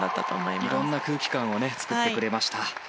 いろいろな空気感を作ってくれました。